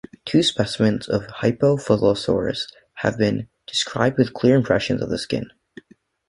Two specimens of "Hyphalosaurus" have been described with clear impressions of the skin.